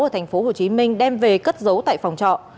ở tp hcm đem về cất giấu tại phòng trọ